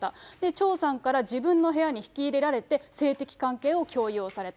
張さんから自分の部屋に引き入れられて、性的関係を強要された。